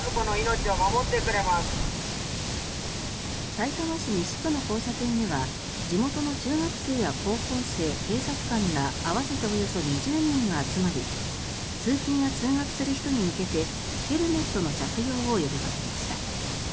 さいたま市西区の交差点では地元の中学生や高校生、警察官ら合わせておよそ２０人が集まり通勤や通学する人に向けてヘルメットの着用を呼びかけました。